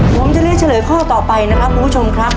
ผมจะเรียกเฉลยข้อต่อไปภูมิชมครับ